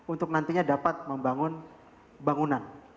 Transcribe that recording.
untuk nantinya dapat membangun bangunan